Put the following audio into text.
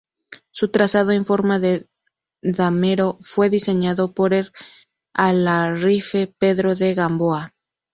Su trazado en forma de damero fue diseñado por el alarife Pedro de Gamboa.